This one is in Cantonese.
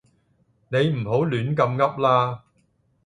你唔好亂咁噏啦